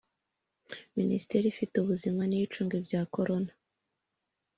Minisiteri ifite ubuzima niyo icunga ibyakorona.